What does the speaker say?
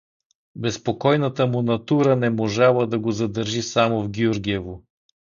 Безпокойната му натура не можала да го задържи само в Гюргево.